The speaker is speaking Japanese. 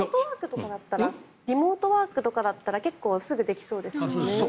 リモートワークだったら結構すぐできそうですよね。